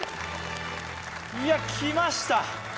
いやきました